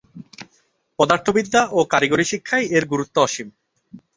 পদার্থবিদ্যা ও কারিগরী শিক্ষায় এর গুরুত্ব অসীম।